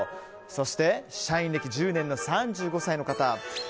そして社員歴１０年の３５歳の方。